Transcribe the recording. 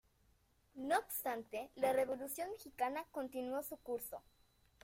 No obstante, la Revolución mexicana continuó su curso.